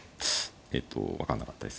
えっと分かんなかったです。